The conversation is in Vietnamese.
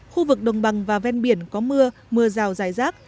khu vực đồng bằng và ven biển có mưa mưa rào dài rác